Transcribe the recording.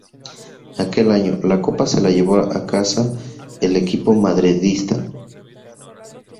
Aquel año, la Copa se la llevó a casa el equipo madridista.